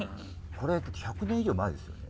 これ１００年以上前ですよね。